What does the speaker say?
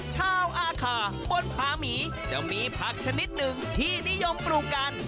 ชาวอาคาบนผาหมีจะมีผักชนิดหนึ่งที่นิยมปลูกกัน